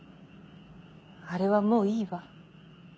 あれはもういいわ。